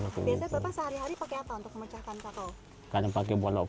biasa sehari hari pakai apa untuk mecahkan kaku karena pakai bolak